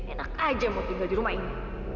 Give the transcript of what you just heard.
enak aja mau tinggal di rumah ini